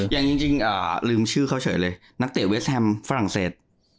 อย่างจริงลืมชื่อเขาเฉยเลยนักเตะเวสแฮมฝรั่งเศส